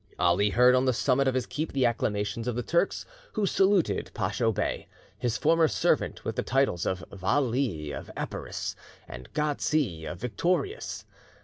Ali heard on the summit of his keep the acclamations of the Turks who saluted Pacho Bey, his former servant with the titles of Vali of Epirus, and Ghazi, of Victorius.